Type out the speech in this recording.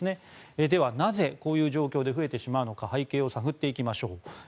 では、なぜこういう状況で増えてしまうのか背景を探っていきましょう。